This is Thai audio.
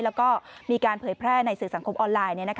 แล้วก็มีการเผยแพร่ในสื่อสังคมออนไลน์